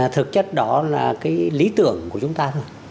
thực chất đó là cái lý tưởng của chúng ta thôi